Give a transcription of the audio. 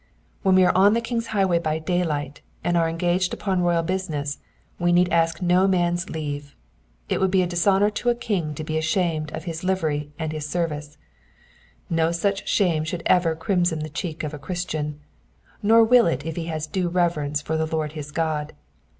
When we arc on the king*s highway by daylight, and are engaged upon royal business, we need ask no man^s leave. It would be a dishonour to a king to be ashamed of his livery and his ser vice ; no such shame should ever crimson the cheek of a Christian, nor will it if he has due reverence for the Lord his God.